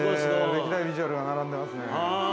◆歴代ビジュアルが並んでいますね。